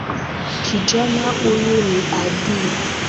Kijana huyu ni adui wangu kwa kuwa ana maringo.